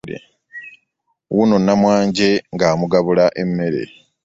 Wuuno Namwanje nga amugabula emmere .